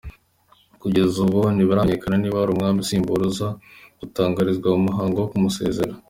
Kugeza ubu ntibiramenyekana niba hari Umwami umusimbura uza gutangarizwa mu muhango wo kumusezera.